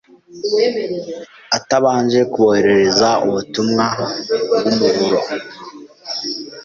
atabanje kuboherereza ubutumwa bw’umuburo.